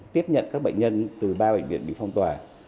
tiếp nhận các bệnh nhân từ ba bệnh viện bị phong tỏa